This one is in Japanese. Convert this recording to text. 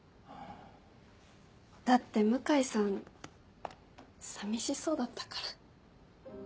だって向井さん寂しそうだったから。